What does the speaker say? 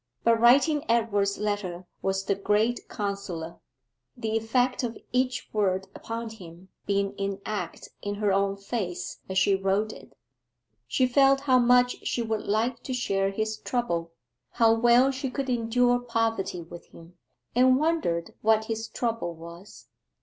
But writing Edward's letter was the great consoler, the effect of each word upon him being enacted in her own face as she wrote it. She felt how much she would like to share his trouble how well she could endure poverty with him and wondered what his trouble was.